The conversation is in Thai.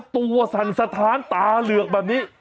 ทุกสรรสฐานตาเหลือกแบบนี้